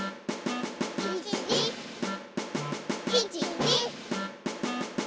１２１２。